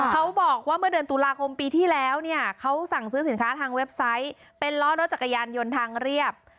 เขาบอกว่าเมื่อเดือนตุลาคมปีที่แล้วเนี่ยเขาสั่งซื้อสินค้าทางเว็บไซต์เป็นล้อรถจักรยานยนต์ทางเรียบ